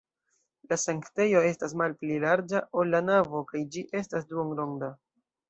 La sanktejo estas malpli larĝa, ol la navo kaj ĝi estas duonronda.